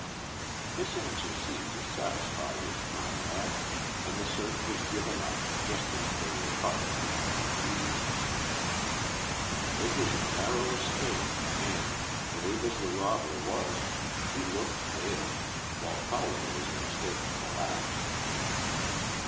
This answer seemed to satisfy his comrade, and the search was given up just as they were about to come upon the fugitives. It was a narrow escape, and, brave as the robber was, he looked pale, while Paulo was in a state of collapse.